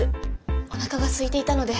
おなかがすいていたので。